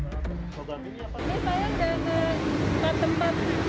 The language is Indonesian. ini saya sudah empat tempat